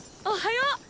おはよう！